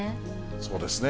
そうですね。